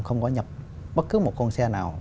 không có nhập bất cứ một con xe nào